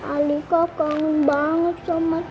alika kangen banget sama